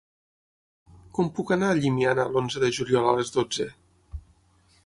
Com puc anar a Llimiana l'onze de juliol a les dotze?